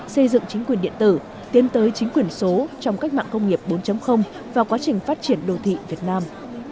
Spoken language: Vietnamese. xây dựng chính quyền điện tử tiến tới chính quyền số trong cách mạng công nghiệp bốn và quá trình phát triển đô thị việt nam